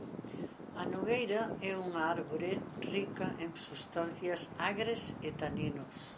A nogueira é unha árbore rica en substancias agres e taninos.